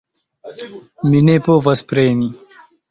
Mi ne povas preni!